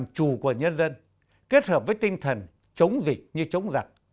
làm chủ của nhân dân kết hợp với tinh thần chống dịch như chống giặc